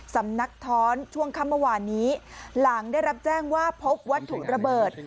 สำนักท้อนช่วงค่ำเมื่อวานนี้หลังได้รับแจ้งว่าพบวัตถุระเบิด